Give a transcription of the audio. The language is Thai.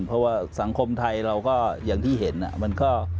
เพราะว่าสังคมไทยเราก็อย่างที่เห็นมันก็